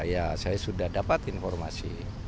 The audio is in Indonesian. ya saya sudah dapat informasi